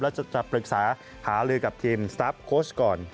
แล้วจะปรึกษาหาลือกับทีมสตาร์ฟโค้ชก่อน